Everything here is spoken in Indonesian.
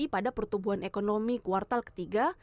untuk memperkenalkan ekonomi kuartal ketiga